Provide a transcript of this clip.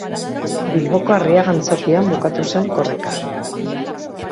Bilboko Arriaga antzokian bukatu zen Korrika.